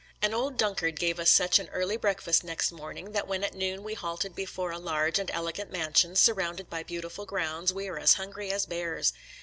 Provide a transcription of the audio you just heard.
An old Dunkard gave us such an early break fast next morning that when at noon we halted before a large and elegant mansion, surrounded by beautiful grounds, we were as hungry as bears.